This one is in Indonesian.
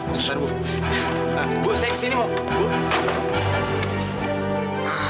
bu saya kesini mau